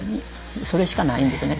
それしかないんですよね。